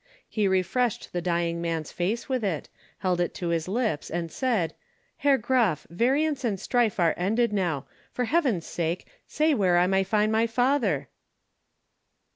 He refreshed the dying man's face with it, held it to his lips, and said: "Herr Graf, variance and strife are ended now. For heaven's sake, say where I may find my father!"